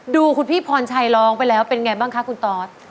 ดูคุณพี่พรรณชัยลองไปแล้วเป็นไงบ้างครับท้อต